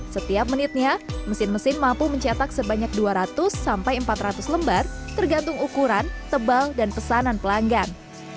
setiap menitnya mesin mesin mampu mencetak sebanyak dua ratus sampai empat ratus lembar tergantung ukuran tebal dan pesanan pelanggan